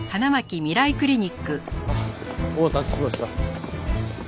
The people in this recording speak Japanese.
あっお待たせしました。